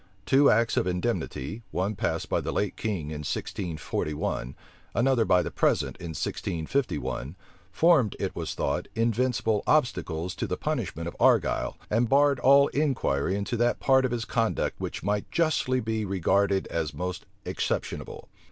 Two acts of indemnity, one passed by the late king in 1641, another by the present in 1651, formed, it was thought, invincible obstacles to the punishment of Argyle, and barred all inquiry into that part of his conduct which might justly be regarded as the most exceptionable.